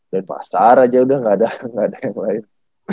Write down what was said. denpasar aja udah gak ada yang lain